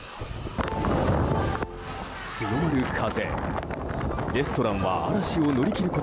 強まる風。